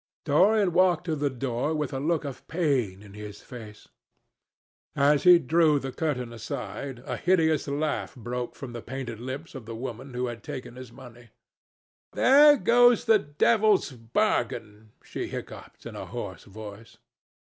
Dorian walked to the door with a look of pain in his face. As he drew the curtain aside, a hideous laugh broke from the painted lips of the woman who had taken his money. "There goes the devil's bargain!" she hiccoughed, in a hoarse voice.